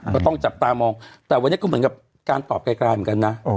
ก็ต้องจับตามองแต่วันนี้ก็เหมือนกับการตอบไกลเหมือนกันนะ